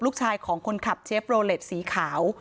ลูกชายของคนขับเชฟโรเล็ตสีขาว